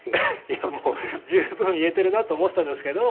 いやもう十分言えてるなと思ってたんですけど。